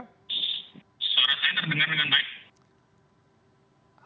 suara saya terdengar dengan baik